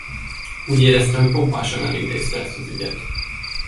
Úgy érezte, hogy pompásan elintézte ezt az ügyet.